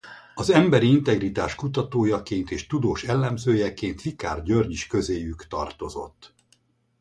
Az emberi integritás kutatójaként és tudós elemzőjeként Vikár György is közéjük tartozott.